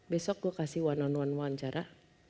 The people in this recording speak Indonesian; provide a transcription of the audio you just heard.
besok gue kasih one on one wawancara